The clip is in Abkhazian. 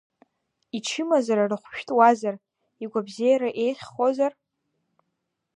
Ичымазара рыхәшәтәуазар, игәабзиара еиӷьхозар?